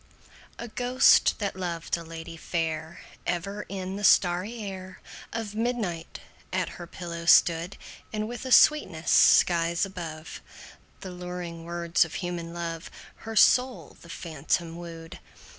A ghost, that loved a lady fair, Ever in the starry air Of midnight at her pillow stood; And, with a sweetness skies above The luring words of human love, Her soul the phantom wooed.